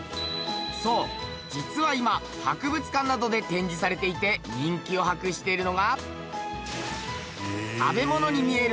そう実は今博物館などで展示されていて人気を博しているのが。